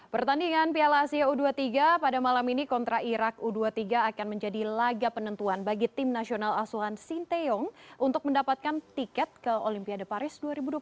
pertandingan piala asia u dua puluh tiga pada malam ini kontra irak u dua puluh tiga akan menjadi laga penentuan bagi tim nasional asuhan sinteyong untuk mendapatkan tiket ke olimpiade paris dua ribu dua puluh empat